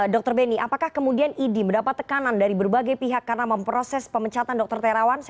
dr benny apakah kemudian idi mendapat tekanan dari berbagai pihak karena memproses pemecatan dokter terawan